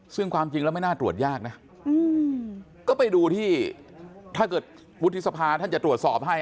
ซึ่งความจริงแล้วไม่น่าตรวจยากนะก็ไปดูที่ถ้าเกิดวุฒิสภาท่านจะตรวจสอบให้